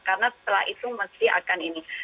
karena setelah itu mesti akan ini